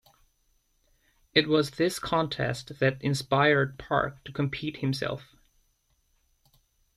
It was this contest that inspired Park to compete himself.